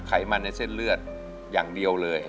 ไขมันในเส้นเลือดอย่างเดียวเลย